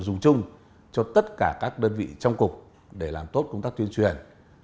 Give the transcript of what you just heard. dùng chung cho tất cả các đơn vị trong cục để làm tốt công tác tuyên truyền